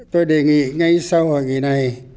tôi đề nghị ngay sau hội nghị này